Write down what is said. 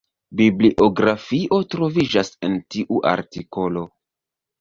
Bibliografio troviĝas en tiu artikolo.